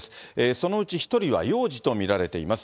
そのうち１人は幼児と見られています。